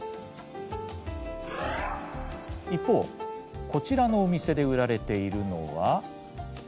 一方こちらのお店で売られているのは。